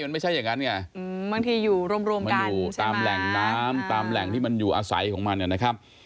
มันไม่ใช่อย่างนั้นไงบางทีอยู่รวมกันอยู่ตามแหล่งน้ำตามแหล่งที่มันอยู่อาศัยของมันนะครับ